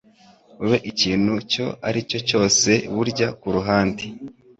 ube ikintu icyo aricyo cyose ariko burya kuruhande